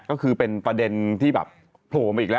ก็คือเป็นประเด็นที่แบบโผล่มาอีกแล้ว